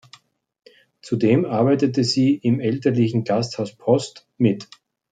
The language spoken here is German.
Zudem arbeitete sie im elterlichen Gasthaus Post mit.